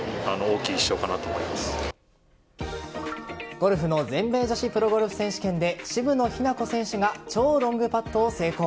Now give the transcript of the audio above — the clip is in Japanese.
ゴルフの全米女子プロゴルフ選手権で渋野日向子選手が超ロングパットを成功。